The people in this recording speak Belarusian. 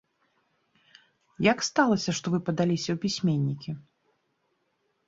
Як сталася, што вы падаліся ў пісьменнікі?